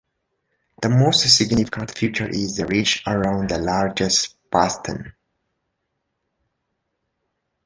The most significant feature is the ridge around the largest basin.